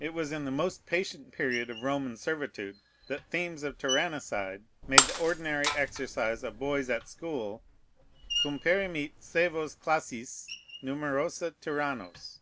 It was in the most patient period of Roman servitude that themes of tyrannicide made the ordinary exercise of boys at school, cum perimit sævos classis numerosa tyrannos.